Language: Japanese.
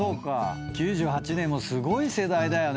９８年もすごい世代だよね